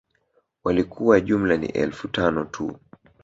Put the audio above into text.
Walikuwa jumla ni Elfu tano tu